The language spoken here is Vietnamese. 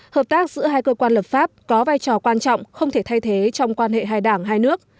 hợp tác giữa hai cơ quan lập pháp có vai trò quan trọng không thể thay thế trong quan hệ hai đảng hai nước